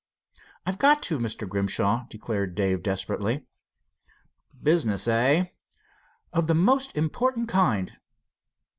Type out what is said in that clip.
"I've got to, Mr. Grimshaw," declared Dave desperately. "Business, eh?" "Of the most important kind."